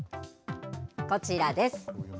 こちらです。